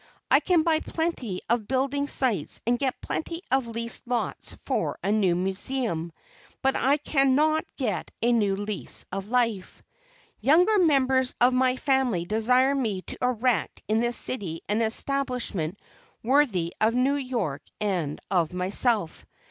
I can buy plenty of building sites and get plenty of leased lots for a new museum; but I cannot get a new lease of life. Younger members of my family desire me to erect in this city an establishment worthy of New York and of myself.